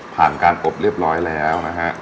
ผ่านการอบเรียบร้อยแล้วนะฮะ